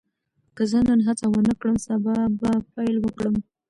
که زه نن هڅه ونه کړم، سبا به پیل وکړم.